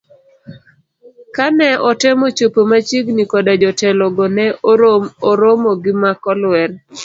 kane otemo chopo machiegni koda jotelo go ne oromo gi mak olwer.